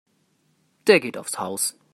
Der geht aufs Haus.